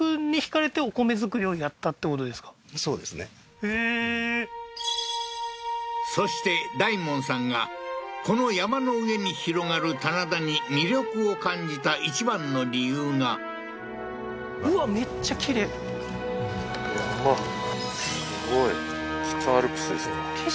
へえーそして大門さんがこの山の上に広がる棚田に魅力を感じた一番の理由がすごい北アルプスですよ